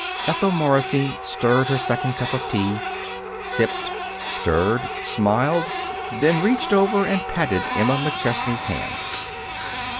Ethel Morrissey stirred her second cup of tea, sipped, stirred, smiled, then reached over and patted Emma McChesney's hand.